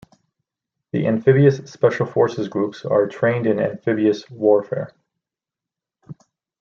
The Amphibious Special Forces Groups are trained in amphibious warfare.